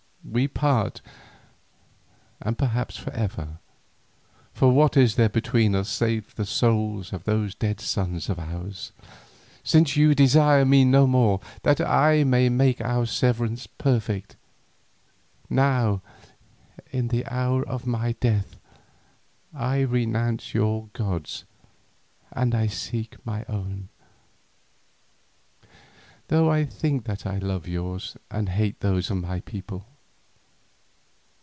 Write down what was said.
We part, and perhaps for ever, for what is there between us save the souls of those dead sons of ours? Since you desire me no more, that I may make our severance perfect, now in the hour of my death I renounce your gods and I seek my own, though I think that I love yours and hate those of my people.